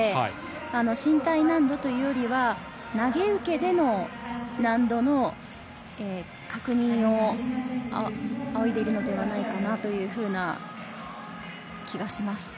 身体難度というよりは投げ、受けでの難度の確認をあおいでいるのではないかなという気がします。